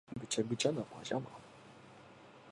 ぐちゃぐちゃなパジャマ